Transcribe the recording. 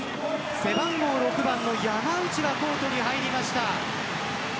背番号６番の山内がコートに入りました。